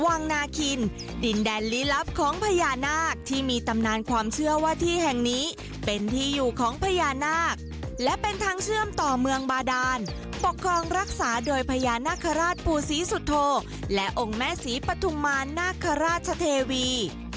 วังนาคินดินแดนลี้ลับของพญานาคที่มีตำนานความเชื่อว่าที่แห่งนี้เป็นที่อยู่ของพญานาคและเป็นทางเชื่อมต่อเมืองบาดานปกครองรักษาโดยพญานาคาราชปู่ศรีสุโธและองค์แม่ศรีปฐุมารนาคาราชเทวี